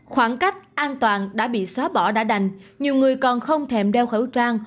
khoảng cách an toàn đã bị xóa bỏ đã đành nhiều người còn không thèm đeo khẩu trang